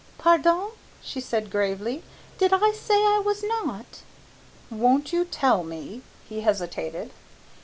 "Pardon," she said gravely, "did I say I was not?" "Won't you tell me?" he hesitated.